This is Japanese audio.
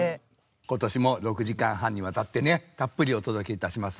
今年も６時間半にわたってねたっぷりお届けいたします。